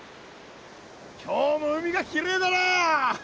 今日も海がきれいだな！